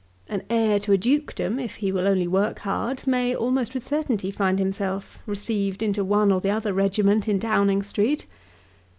An heir to a dukedom, if he will only work hard, may almost with certainty find himself received into one or the other regiment in Downing Street.